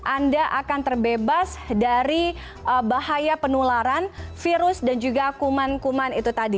anda akan terbebas dari bahaya penularan virus dan juga kuman kuman itu tadi